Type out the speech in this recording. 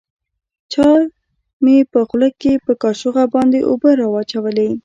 چا مې په خوله کښې په کاشوغه باندې اوبه راواچولې.